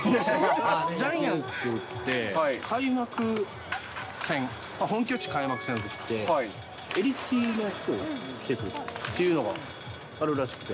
ジャイアンツって、開幕戦、本拠地開幕戦のときって、襟付きの服を着てくるっていうのがあるらしくて。